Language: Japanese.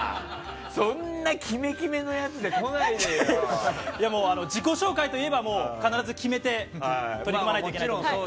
そんな決め決めのやつで自己紹介といえば必ず決めて取り組まないといけないので。